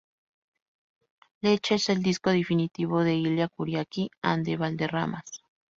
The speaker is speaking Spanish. Leche es el disco definitivo de Illya Kuryaki and the Valderramas.